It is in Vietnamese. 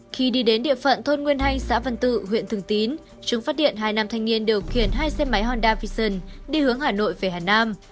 khi đi đến địa phận thôn nguyên hay xã văn tự huyện thường tín chúng phát điện hai nam thanh niên điều khiển hai xe máy honda vision đi hướng hà nội về hà nam